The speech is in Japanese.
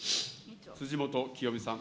辻元清美さん。